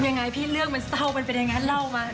ยังไงพี่เรื่องมันเศร้าเป็นยังไงเล่ามา